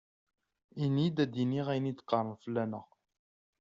Ini-d ad iniɣ ayen i d-qqaṛen fell-aneɣ!